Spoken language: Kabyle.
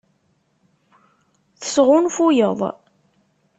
Tesɣunfuyeḍ.